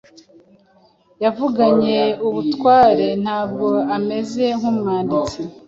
Yavuganye ubutware, ntabwo ameze nk'Umwanditsi.